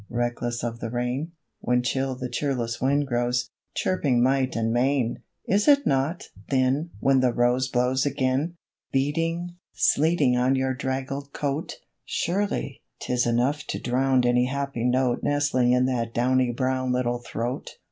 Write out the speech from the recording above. Reckless of the rain; When chill the cheerless wind grows, Chirping might and main! Is it naught, then, when the rose Blows again? Beating, sleeting on your draggled coat! Surely, 'tis enough to drown Any happy note Nestling in that downy brown Little throat.